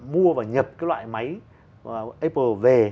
mua và nhập cái loại máy apple về